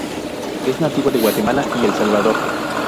Es nativo de Guatemala, y El Salvador.